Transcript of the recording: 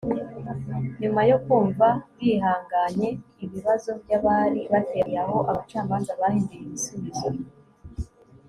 Nyuma yo kumva bihanganye ibibazo byabari bateraniye aho abacamanza bahinduye ibisubizo